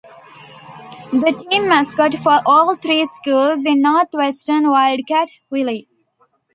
The team mascot for all three schools is the Northwestern Wildcat, Willie.